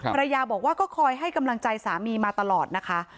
ภรรยาบอกว่าก็คอยให้กำลังใจสามีมาตลอดนะคะ